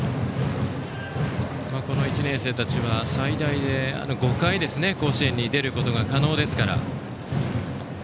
この１年生たちは最大５回甲子園に出ることが可能ですから。